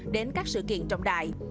đến các sự kiện trọng đại